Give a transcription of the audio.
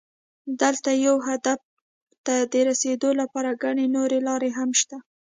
دلته یو هدف ته رسېدو لپاره ګڼې نورې لارې هم شته.